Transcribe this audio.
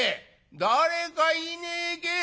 誰かいねえけえ？」。